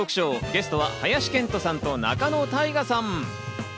ゲストは林遣都さんと仲野太賀さん。